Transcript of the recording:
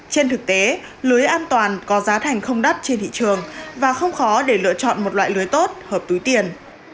trên thực tế lưới an toàn có giá thành không đắt trên thị trường và không khó để lựa chọn một loại lưới tốt hợp túi tiền